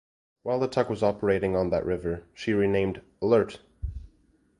While the tug was operating on that river, she was renamed "Alert".